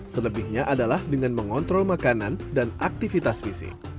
selebihnya adalah dengan mengontrol makanan dan aktivitas fisik